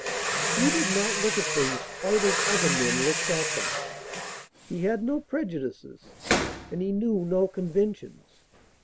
He did not look at things quite as other men looked at them. He had no prejudices and he knew no conventions.